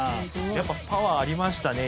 やっぱパワーありましたね